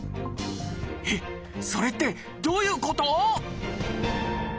えっそれってどういうこと？